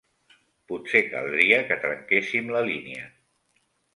Potser caldria que trenquéssem la línia.